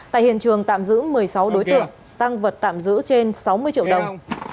tại hiện trường tạm giữ một mươi sáu đối tượng tăng vật tạm giữ trên sáu mươi triệu đồng